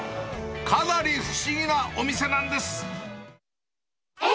かなり不思議なお店なんです。